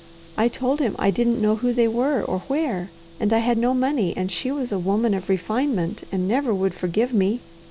I told him I didn't know who they were or where, and I had no money and she was a woman of refinement, and never would forgive me.